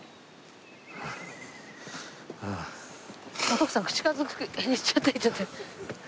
徳さん口数減っちゃって減っちゃって。